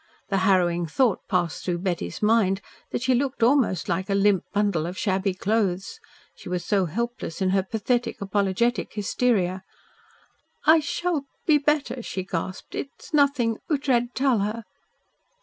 The harrowing thought passed through Betty's mind that she looked almost like a limp bundle of shabby clothes. She was so helpless in her pathetic, apologetic hysteria. "I shall be better," she gasped. "It's nothing. Ughtred, tell her."